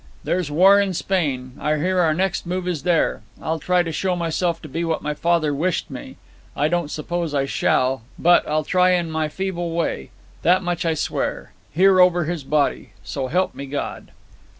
'There's war in Spain. I hear our next move is there. I'll try to show myself to be what my father wished me. I don't suppose I shall but I'll try in my feeble way. That much I swear here over his body. So help me God.'